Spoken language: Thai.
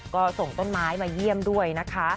ก็ส่งต้นไม้มาเยี่ยมด้วยนะคะ